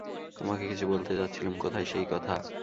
তোমাকে কিছু বলতে যাচ্ছিলুম– কোথায় সেই কথা।